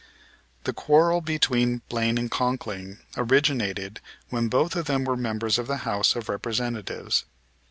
The quarrel between Blaine and Conkling originated when both of them were members of the House of Representatives.